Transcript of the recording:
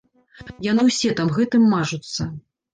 Яны ўсе там гэтым мажуцца.